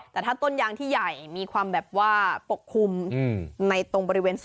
แต่ถ้าต้นยางที่ใหญ่มีความแบบว่าปกคลุมในตรงบริเวณ